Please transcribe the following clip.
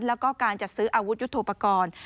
แล้วก็การจัดซื้ออาวุธยุทธโปรกรณ์